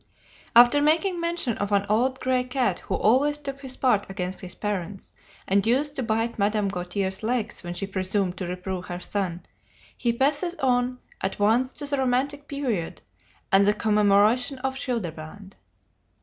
After making mention of an old gray cat who always took his part against his parents, and used to bite Madame Gautier's legs when she presumed to reprove her son, he passes on at once to the romantic period, and the commemoration of Childebrand.